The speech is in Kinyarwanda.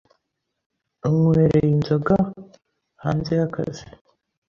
unywereye inzoga hanze y’akazi